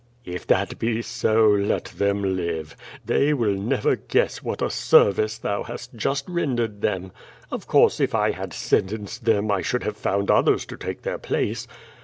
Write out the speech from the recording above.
'' "If that be so, let them live. They will never guess what a service thou hast just rendered them. Of course, if I had sentenced them I should have found others to take their place."